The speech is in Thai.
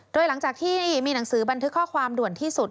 โดยหลังจากที่มีหนังสือบันทึกข้อความด่วนที่สุด